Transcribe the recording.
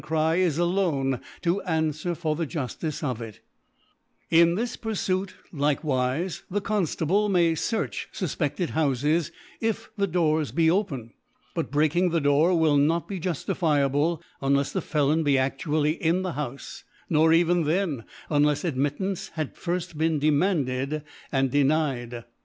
152 ) Cry is alone to anfwer for the Juflice of In this Purfulc likewife the Gonftable may fcarch fufpcfted Houfes, if the Doors be open ; but breaking the Door will not be juftifiable, unlefs the Felon be aftually in the Houfc ; nor even then, unlefs Admit tance harh been firft demanded and de nied f